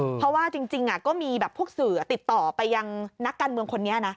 เพราะว่าจริงก็มีแบบพวกสื่อติดต่อไปยังนักการเมืองคนนี้นะ